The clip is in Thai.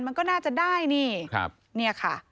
มันก็น่าจะได้นี่